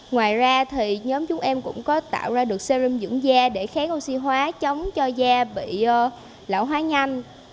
ngoài ra thì nhóm chúng em cũng có tạo ra được serim dưỡng da để kháng oxy hóa chống cho da bị lão hóa nhanh